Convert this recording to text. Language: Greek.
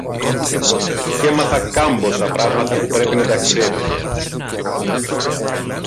Κι έμαθα κάμποσα πράγματα που πρέπει να τα ξέρεις.